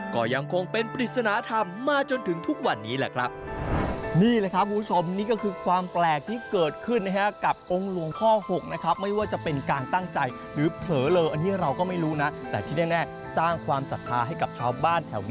ก็ยังคงเป็นปริศนธรรมมาจนถึงทุกวันนี้แหละครับ